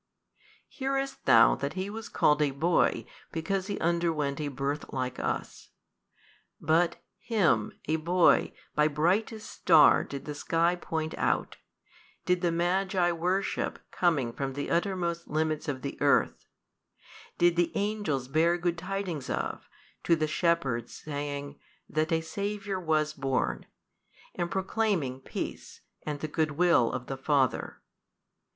Hearest thou that He was called a Boy because He underwent a birth like us? But Him a Boy by brightest star did the sky point out, did the Magi worship coming from the uttermost limits of the earth, did the Angels bear good tidings of to the Shepherds saying that a Saviour was born, and proclaiming Peace and the Good will of the Father.